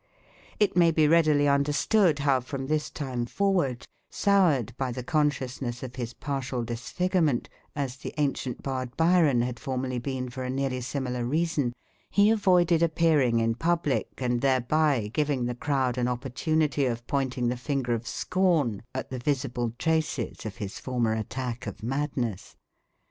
It may be readily understood how from this time forward, soured by the consciousness of his partial disfigurement, as the ancient bard Byron had formerly been for a nearly similar reason, he avoided appearing in public, and thereby giving the crowd an opportunity of pointing the finger of scorn at the visible traces of his former attack of madness.